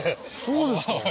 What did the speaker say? そうですか。